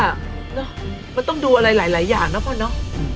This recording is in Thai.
มันต้องดูอะไรหลายอย่างนะพ่อน้อง